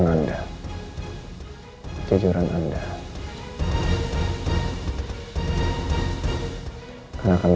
yang belum pernah memperkenalkan